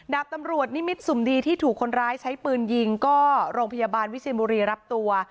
ดาบตำรวจนิมิตสุ่มดีที่ถูกคนร้ายใช้ปืนยิงก็โรงพยาบาลวิเชียนบุรีรับตัว